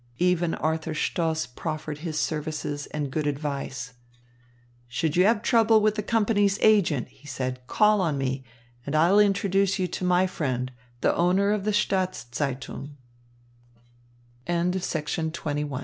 Even Arthur Stoss proffered his services and good advice. "Should you have trouble with the company's agent," he said, "call on me, and I'll introduce you to my friend, the owner of the Staats Zeitung." PART II I A few moments late